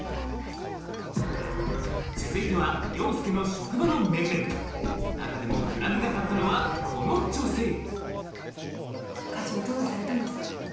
続いては凌介の職場の面々中でもフラグが立ったのはこの女性課長どうかされたんですか？